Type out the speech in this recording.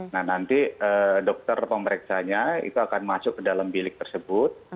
nah nanti dokter pemeriksanya itu akan masuk ke dalam bilik tersebut